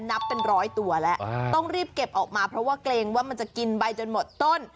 นับเป็นร้อยตัวแล้วต้องรีบเก็บออกมาเพราะว่าเกรงว่ามันจะกินไปจนหมดต้น